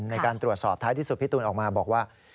ในการตรวจสอบท้ายที่สุดพี่ตูนออกมาบอกว่า